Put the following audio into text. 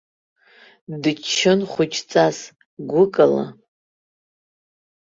Дыччон хәыҷҵас, гәыкала.